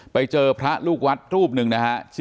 ไปเจอพระลูกวัฒน์รูปหนึ่งนะครับ